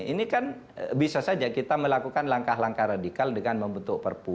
ini kan bisa saja kita melakukan langkah langkah radikal dengan membentuk perpu